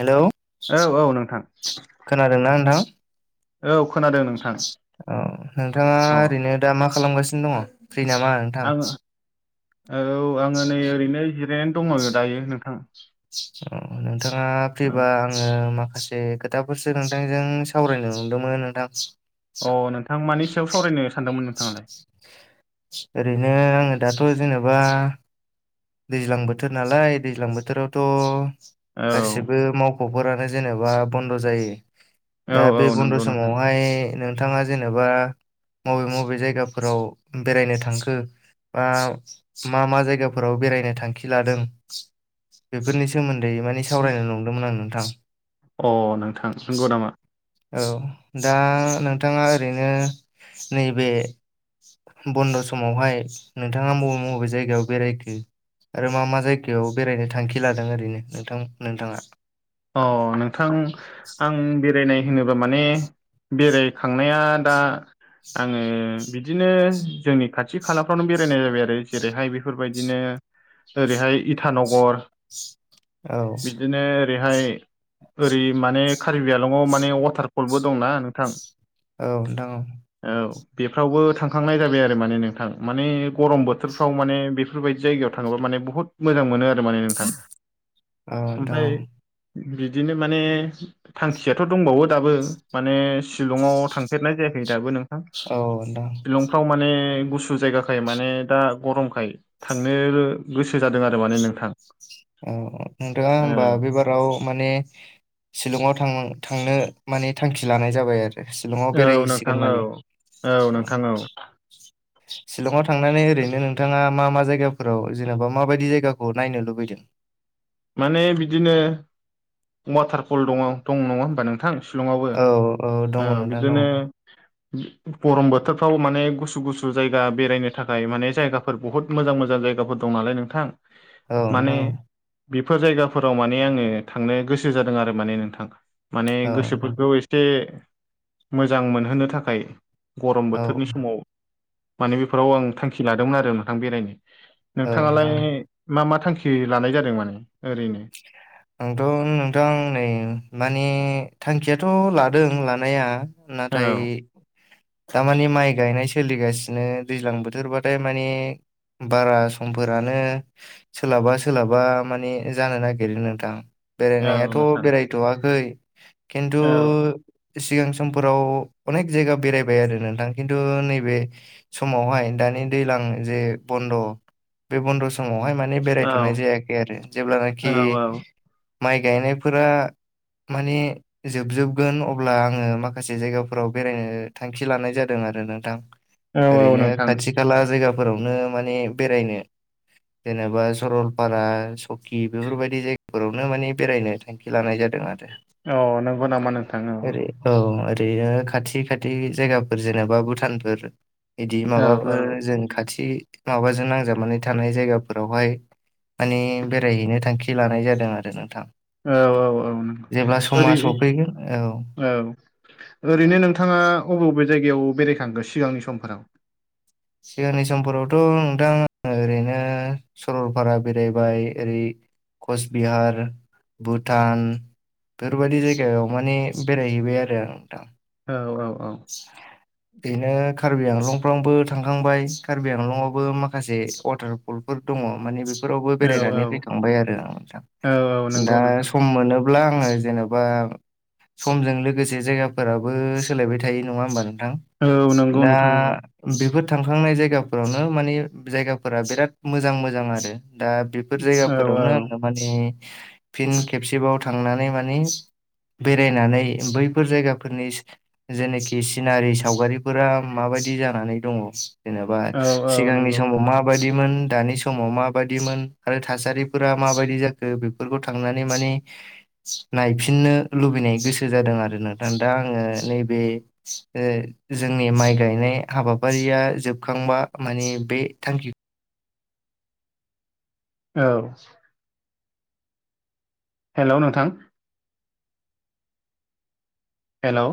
Hello औ औ नोंथां खोनादोंना नोंथां औ खोनादों नोंथां औ नोंथाङा अ ओरैनो दा मा खालामगासिनो दङ फ्रि नामा नोंथां आङो औ आङो नै ओरैनो जिरायनानै दङ आ दायो नोंथां अ नोंथाङा फैबा अ आं आङो माखासे खोथाफोरसो नोंथांजों सावरायनो नंदोंमोन नोंथां अ नोंथां मानि सावरायनो सानदोंमोन नोंथाङालाय ओरैनो आङो दाथ' जेनेबा दैज्लां बोथोर नालाय दैज्लां बोथोरावथ' गासिब औ बो मावख'फोरानो जेनेबा बन्द' जायो औ दा औ बे बन्द' नंगौ नोंथां समावहाय नों नोंथाङा जेनेबा मबे मबे जायगाफोराव बेरायनो थांखो बा मा मा जायगा फोराव बेरायनो थांखि लादों बेफोरनि सोमोन्दै माने सावरायनो नंदोंमोन आं नोंथां अ नोंथां नोंगौ नामा औ दा नोंथाङा ओरैनो नैबे बन्द' समावहाय नोंथाङा मबे मबे जायगायाव बेरायखो आरो मा मा जायगायाव बेरायनो थांखि लादों ओरैनो नोंथां नोंथाङा अ नोंथां आं बेरायनाय होनोबा माने बेरायखांनाया दा आङो बिदिनो जोंनि खाथि खालाफ्रावनो बेरायनाय जाबाय आरो जेरैहाय बेफोरबायदिनो ओरैहाय इटानगर औ बिदिनो बेहायओरैहाय ओरै माने कार्बि आलंआव माने वाटारफलबो दंना नोंथां औ नोंथां औ औ बेफ्रावबो थांखांनाय जाबाय आरो माने नोंथां माने गरम बोथोरफ्राव माने बे बेफोरबायदि जायगायाव थाङोबा माने बुहुत मोजां मोनो आरो माने नोंथां औ नोंथां ओमफ्राय बिदिनो माने थांखियाथ दंबावो दाबो माने शिलंआव थांफेरनाय जायाखै दाबो नों हो औ औ नोंथां शिलंफ्राव माने गुसु जायगाखौ थाखाय माने दा गरमखाय थांनो गोसो जादों आरो माने नोंथां अ नोंथाङा औ होमबा बेबाराव माने शिलंआव थां थांनो माने थांखि लानाय जाबाय आरो शिलंआव बेराय औ नोंथां होयसिगोन औ माने औ नोंथां औ शिलंआव थांनानै ओरैनो नोंथाङा मा मा जायगाफोराव जेनबा माबादि जायगाखौ नायनो लुबैदों माने बिदिनो वाटारफल दङ दं नङा होनोमबा नोंथां शिलंआवबो औ औ दङ ओ नोंथां दङ बिदिनो गरम बोथोरफ्राव माने गुसु गुसु जायगा बेरायनो थाखाय माने जायगा बेफोर बहुत मोजां मोजां जायगाफोर दं नालाय नोंथां औ माने नोंथां औ बेफोर जायगाफोराव माने आंओ थांनो गोसो जादों आरो माने नोंथां माने औ नोंथां गोसोफोरखौ एसे जे मोजां मोनहोनो थाखाय गरम औ बोथोरनि समाव माने बेफोराव आं थांखि लादोंमोन आरो नोंथां बेरायनो औ नोंथाङालाय नोंथां मा मा थांखि लानाय जादों माने ओरैनो ? आंथ नोंथां नै मानि थांखियाथ लादों लानाया औ नाथाय थारमानि माइ गायनाय सोलिगासिनो दैज्लां बोथोरबाथाय माने बारा समफोरानो सोलाबा सोलाबा माने जानो नागिरो नोंथां औ बेरायनायाथ नोंथां बेरायथवाखै खिन्थु औ सिगां समफोराव अनेक जायगा बेरायबाय आरो नोंथां खिन्थु नैबे समावहाय दानि दैज्लां जे बन्द बे बन्द समावहाय माने बेरायथनाय औ जायाखै आरो जेब्लानाखि औ औ माइ गायनायफोरा माने जोबजोबगोन अब्ला आङो माखासे जायगाफोराव बेरायनो थांखि लानाय जादों आरो नोंथां औ ओरैनो नोंथां खाथि खाला जायगाफोरावनो माने बेरायनो जेनेबा सरलपारा हकि बेफोरबायदि जायगाफोरावनो माने थांखि लानाय आरो अ नोंगौ नामा नोंथां अ ओरै औ ओरैनो खाथि खाथि जायगाफोर जेनेबा भुटानफोर बिदि औ माबाफोर जों खाथि माबाजों नांजाबनानै थानाय जायगाफोरावहाय मानि बेरायहैनो थांखि लानाय जादों आरो नोंथां औ औ औ नों जेब्ला ओरै समा सफैगोन औ औ ओरैनो नोंथाङा अबे अबे जायगायाव बेरायखांगोन सिगांनि समफोराव सिगांनि समफोरावथ नोंथां ओरैनो सरलपारा बेरायबाय ओरै कच बिहार भुटान बेफोरबायदि जायगायाव माने बेरायहैबाय आरो आं नोंथां औ औ औ [inaudible] बेनो कार्बि आंलंफ्रावबो थांखांबाय कार्बि आंलंआवबो माखासे वाटार पल फोर दङ माने बेफोरावबो औ बेरायनानै औ फैखांबाय आरो आं नोंथां औ औ नंगौ दा नोंथां सम मोनो अब्ला आंङो जेनबा समजों लोगोसे जायगाफोराबो सोलायबाय थायो थायो नङा होमबा नोंथां औ नंगौ दा नोंथां नंगौ बेफोर थांखांनाय जायगाफोरावनो मानि जायगाफोरा बिराद मोजां मोजां आरो दा बे बेफोर औ औ जायगाफोरावनो आंङो माने। फिन खेबसेबाव थांनानै मानि बेरायनानै बैफोर जायगाफोरनि जेनाखि सिनारि सावगारिफोरा माबायदि जानानै दङ। जेनेबा औ औ सिगांनि नंगौ समाव मा मोन दानि समाव माबायदिमोन आरो थासारिफोरा माबायदि जाखो बे फोरफोरखौ थांनानै माने। नायफिननो लुबैनाय गोसो जादों आरो नोंथां दा आंङो नैबे ओ जोंनि माइ गायनाय हाबाफारिया जोबखांबा मानि बे थांखि। औ। हेल' नोंथां। हेलौ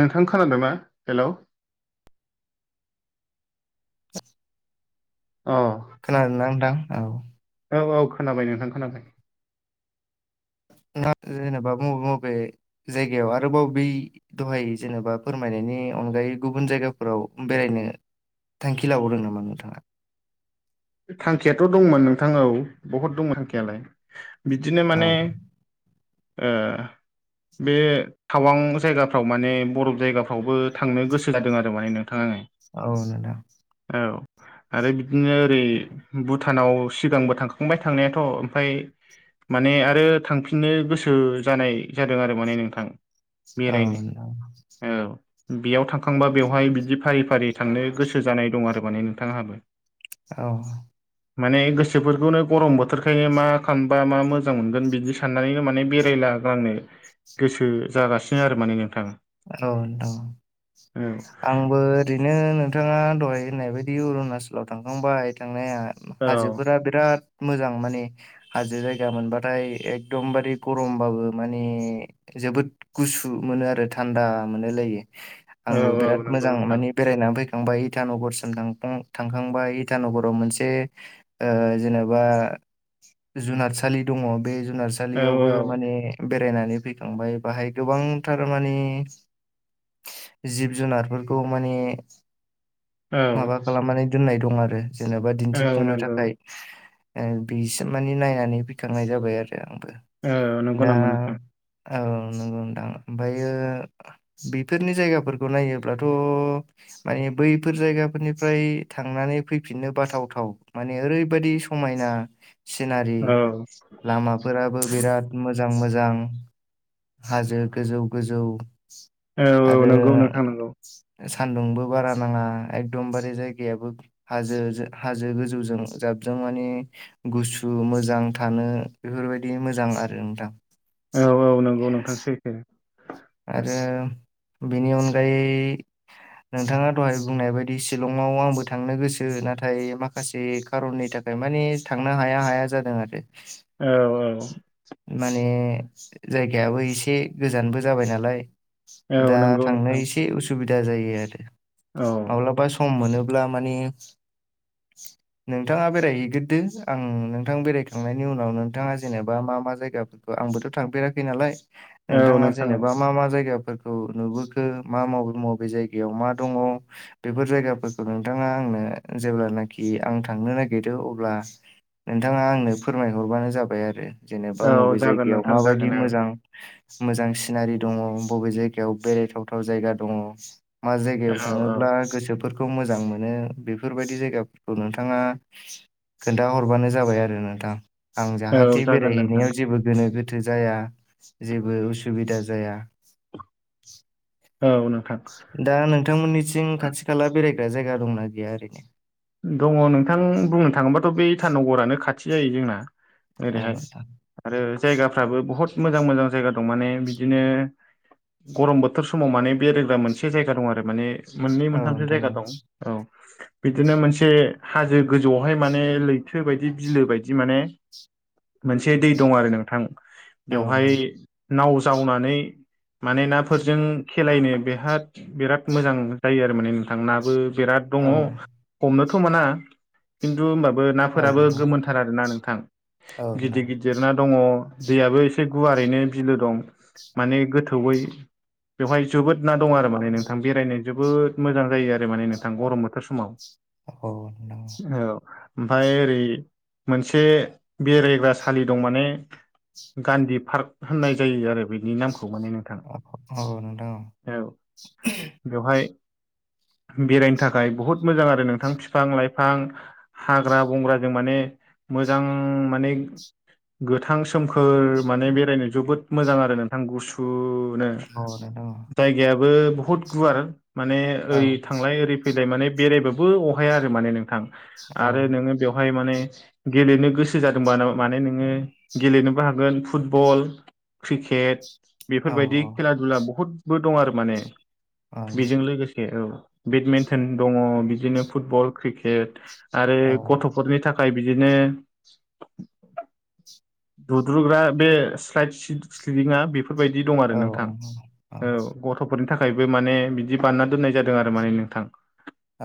नोंथां खोनादोंना हेल'। [inaudible] औ। खोनादों नोंथां औ। औ औ खोनाबाय नोंथां खोनाबाय। जेनेबा बबे बबे जायगायाव आरोबाव बै दहाय जेनेबा फोरमायनायनि अनगायै गुबुन जायगाफोराव बेरायनो थांखि लाबावदों नामा नोंथाङा? थांखियाथ' दंमोन नोंथां औ बहुद दंमोन थांखियालाय बिदिनो औ माने ओ बे थावां जायगाफ्राव माने बरफ जायगाफ्रावबो थांनो गोसो जादों आरो माने नोंथां आंङो। औ नोंथां। औ आरो बिदिनो। ओरै भुटानाव सिगांबो थांखांबाय थांनायाथ' ओमफ्राय। माने आरो थांफिननो गोसो जानाय जादों आरो माने नोंथां। औ बेरायनो नोंथां औ। बेयाव थांखांबा बेवहाय बिदि फारि फारि थांनो गोसो जानाय दं आरो माने नोंथां आंहाबो। औ माने गोसोफोरखौनो गरम बोथोरखायनो मा खालामबा मा मोजां मोनगोन बिदि साननानैनो माने बेरायला नो गोसो जागासिनो आरो माने नोंथाङा। हेलौ नोंथां। आंबो ओरैनो नोंथाङा दहाय होननाय बायदि अरुणाचलाव थांखांबाय थांनाया। औ हाजोफोरा बिराद मोजां माने। हाजो जायगा मोनबाथाय एकदम बारे गरमबाबो माने जोबोद गुसु मोनो आरो थान्दा मोनलायो औ आंबो बिराद नंगौ मोजां नोंथां माने बेरायनानै फैखांबाय इटा नगरसिम थांखां थांखांबाया इटा नगराव मोनसे। ओ जेनेबा जुनारसालि दङ बे जुनस औ सालियावबो माने बेरायनानै फैखांबाय बाहाय गोबांथार मानि जिब जुनारफोरखौ माने औ माबा खालामनानै दोननाय दं आरो जेनेबा औ दिन्थिफुंनो नंगौ थाखाय ओ बेसिम माने नायनानै फैखांनाय जाबाय आरो आंबो औ नंगौ दा नामा नोंथां औ नंगौ नोंथां आमफायो बेफोरनि जायगाफोरखौ नायोब्लाथ' माने बैफोर जायगाफोरनिफ्राय थांनानै फैफिननो बाथाव थाव माने ओरैबायदि स मायना सिनारि औ लामाफोराबो बिराद मोजां मोजां हाजो गोजौ गोजौ औ औ आरो नंगौ नोंथां नंगौ सान्दुंबो बारा नाङा एगदमबारे जायगायाबो हाजोजो हाजो गोजौजों जाबजों माने गुसु मोजां थानो बेफोरबायदि मोजां आरो नोंथां औ औ नंगौ नोंथां सैथो आरो बेनि अनगायै नोंथाङा दहाय बुंनाय बायदि शिलंआव आंबो थांनो गोसो नाथाय माखासे खारननि थाखाय मानि थांनो हाया हाया जादों आरो औ औ माने जायगायाबो एसे गोजानबो जाबाय नालाय औ औ दा नंगौ थांनो नोंथां एसे उसुबिदा जायो आरो औ माब्लाबा सम मोनोब्ला माने नोंथाङा बेरायहैगोरदो आं नोंथां बेरायखांनायनि उनाव नोंथाङा जेनेबा मा मा जायगा आंबोथ' थांफेराखै नालाय औ नोंथाङा नोंथां औ जेनेबा मा मा जायगाफोरखौ नुबोखो मा मबे मबे जायगायाव मा दङ बेफोर जायगाफोरखौ नोंथाङा आंनो जेब्लानाखि आं थांनो नागिरो अब्ला नोंथाङा आंनो फोरमायहरबानो जाबाय आरो जेनेबा औ मबे जागोन जायगायाव नोंथां माबायदि जागोन औ मोजां मोजां सिनारि दङ बबे जायगायाव बेरायथावथाव जायगा दङ मा औ जायगायाव औ थाङोब्ला गोसोफोर खौ मोजां मोनो बेफोरबायदि जायगाफोरखौ नोंथाङा खोन्थाहरबानो जाबाय आरो नोंथां आं औ जाहाथे जागोन नोंथां बेरायहैनायाव जेबो गोनो गोथो जाया जेबो उसुबिदा जाया औ [unintelligible] दा नोंथांमोननिथिं खाथि खाला बेरायग्रा जायगा दंना गैया ओरैनो दङ नोंथां बुंनो थाङोबाथ' बेै इटानगरानो खाथि जायो जोंना ओरैहाय आरो जायगाफ्राबो बहुत मोजां मोजां जायगा दं माने बिदिनो गरम बोथोर समाव माने बेरायग्रा मोनसे जायगा दं आरो माने मोननै औ मोनथामसो नोंथां जायगा दं औ [unintelligible] बिदिनो मोनसे हाजो गोजौआवहाय माने लैथो बायदि बिलो बायदि माने मोनसे दै दं आरो नोंथां औ नोंथां बेवहाय नाव जावनानै माने नाफोरजों खेलायनो बेहाद बेराद मोजां जायो आरो माने नोंथां नाबो बेराद दङ औ हमनोथ' मोना खिन्थु होमबाबो नाफोराबो नोंथां गोमोनथार आरोना नोंथां औ गिदिर गिदि दिरना दङ दैयाबो एसे गुवारैनो बिलो दं माने गोथौयै बेवहाय जोबोद ना दं आरो माने नोंथां बेरायनो जोबोद मोजां जायो आरो माने नोंथां गरम बोथोर समाव। औ। औ ओमफ्राय ओरै मोनसे बेरायग्रा सालि दं माने गान्धी पार्क होननाय जायो आरो बेनि नामखौ माने नों औ नोंथां ओ बेवहाय बेरायनो थाखाय बहुद मोजां आरो नों [unintelligible] फिफां - लाइफां हाग्रा बंग्राजों माने मोजां माने गोथां सोमखोर माने बेरायनो जोबोद मोजां आरो नोंथां गुसु [unintelligible] जायगायाबो बहुत गुवार माने ओरै थांलाय ओरै [unintelligible] फैलाय माने बेरायबाबो अहाया आरो माने नोंथां आरो नोङो बेवहाय माने गेलेनो गोसो जादोंबा माने नोङो गेलेनोबो हागोन फुटबल क्रिकेट बेफोरबायदि खेला दुला बहुदबो दं आरो माने बेजों लोगोसे औ। बेडमिन्टन दङ बिदिनो फुटबल, क्रिकेट आरो गथ' न'खरनि थाखाय बिदिनो दुद्रुग्रा बे साल्ब सदिं आ बेफोर बेफोरबायदि दं आरो नोंथां औ गथ' फोरनि थाखायबो माने बिदि बानायना दोननाय जादों आरो माने नोंथां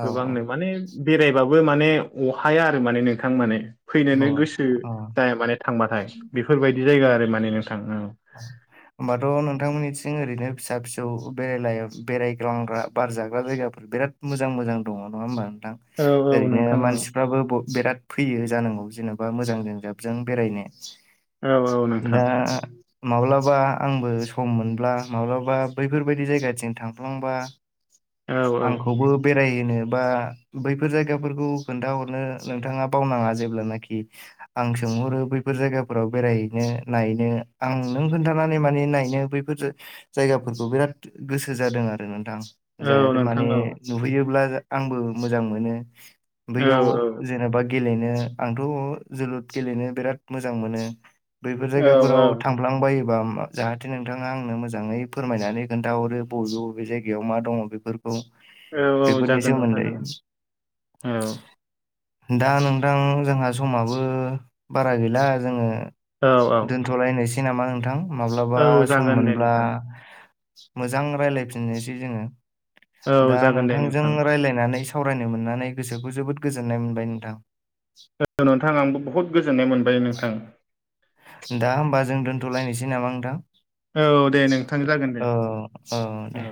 गोबांनो माने बेरायबाबो माने अहाया आरो माने नोंथां माने फैनोनो औ गोसो औ जाया माने थांबाथाय बेफोरबायदि जायगा आरो माने नोंथां ओ। औ। होमबाथ' नोंथांमोननिथिं ओरैनो फिसा - फिसौ बेराय बेरायग्लांग्रा बार जाग्रा जायगाफोर बिराद मोजां - मोजां दङ नङा होमबा नोंथां औ औ ओरैनो नोंथां मानसि औ फाबो बिराद फैयो जानांगौ जेन'बा मोजां जोंजाबजों बेरायनो। औ औ नोंथां दा माब्लाबा आंबो सम मोनब्ला माब्लाबा बैफोरबायदि जायगाथिं थांफ्लांबा औ औ आंखौबो बेरायहोनो बा बैफोर जायगाफोरखौ खोन्थाहरनो नोंथाङा बावनाङा जेब्लानाखि आं सोंहरो बैफोर जायगाफोराव बेरायहैनो नायैनो आं नों खोन्थानानै माने नायनो बैफोर जायगाफोरखौ बिराद गोसो जादों आरो नोंथां औ जायाथ नोंथां माने औ नुहैयोब्ला आंबो मोजां मोनो औ बैयाव जेनेबा गेलेनो आंथ' जोलुर गेलेनो बिराद मोजां मोनो। बैफोर औ औ जायगाफोराव थांफ्लांबायोबा जाहाथे नोंथाङा आंनो मोजाङै फोरमायनानै खोन्थााहरो बबे बबे जायगा बेयाव मा दङ बेफोरखौ औ औ बेफोरनि जागोन नोंथां सोमोन्दै जागोन औ दा नोंथां जोंहा समाबो बारा गैला जोङो औ औ दोनथ'लायनोसै नामा नोंथां माब्लाबा औ सम जागोन दे मोनब्ला नोंथां मोजां रायजलायफिननोसै जोङो औ दा जागोन दे नोंथांजों नोंथां रायलायनानै सावरायनो मोननानै गोसोखौ जोबोद गोजोननाय मोनबाय नोंथां। औ नोंथां आंबो बहुत गोजोननाय मोनबाय नोंथां। दा होमबा जों दोनथ'लायनोसै नामा नोंथां औ दे नोंथां जागोन दे औ। औ दे।